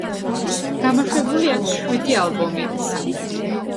გამოშვებული აქვს შვიდი ალბომი.